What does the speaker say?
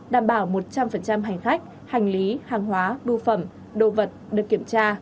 đảm bảo một trăm linh hành khách hành lý hàng hóa bưu phẩm đồ vật được kiểm tra